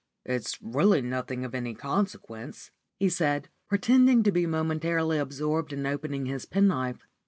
"It's really nothing of any consequence," he said, pretending to be momentarily absorbed in opening his penknife.